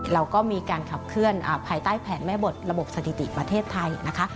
เราก็มีการขับเคลื่อนภายใต้แผนแม่บทระบบสถิติประเทศไทยนะคะ